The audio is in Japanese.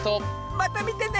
またみてね！